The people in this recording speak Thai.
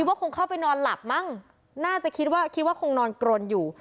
ว่าคงเข้าไปนอนหลับมั้งน่าจะคิดว่าคิดว่าคงนอนกรนอยู่